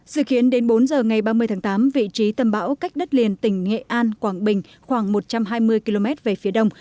dự kiến đến bốn giờ ngày ba mươi tháng tám vị trí tầm bão cách đất liền tỉnh nghệ an quảng bình khoảng một trăm hai mươi km về phía đông